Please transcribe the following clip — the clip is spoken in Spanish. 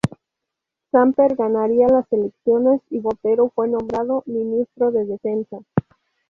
Samper ganaría las elecciones y Botero fue nombrado Ministro de Defensa.